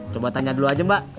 coba tanya dulu aja mbak